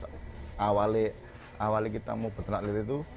awalnya kita mau betenak lele itu